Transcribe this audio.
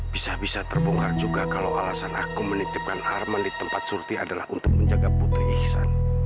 bisa bisa terbongkar juga kalau alasan aku menitipkan arman di tempat surti adalah untuk menjaga putri ihsan